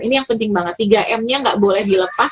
ini yang penting banget tiga m nya nggak boleh dilepas